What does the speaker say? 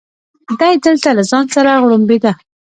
دی دلته له ځان سره غوړمبېده.